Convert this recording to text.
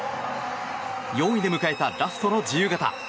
４位で迎えたラストの自由形。